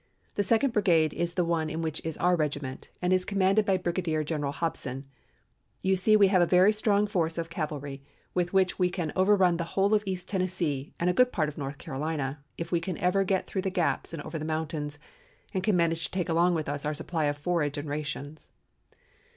The second brigade is the one in which is our regiment, and is commanded by Brigadier General Hobson. You see we have a very strong force of cavalry, with which we can overrun the whole of East Tennessee and a good part of North Carolina, if we can ever get through the gaps and over the mountains, and can manage to take along with us our supply of forage and rations.